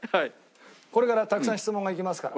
これからたくさん質問がいきますから。